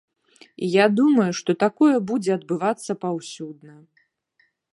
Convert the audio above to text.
І я думаю, што такое будзе адбывацца паўсюдна.